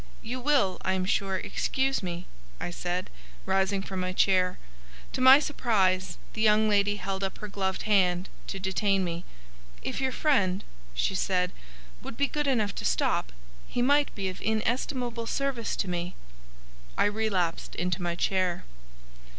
"You will, I am sure, excuse me," I said, rising from my chair. To my surprise, the young lady held up her gloved hand to detain me. "If your friend," she said, "would be good enough to stop, he might be of inestimable service to me." I relapsed into my chair.